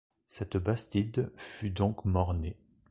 Cette bastide fut donc mort-née.